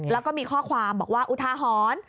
แล้วก็มีข้อความบอกว่าอุทาหรณ์